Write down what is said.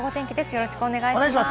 よろしくお願いします。